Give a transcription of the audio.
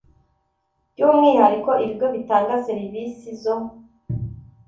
By umwihariko ibigo bitanga serivisi zo